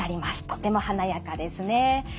とても華やかですね。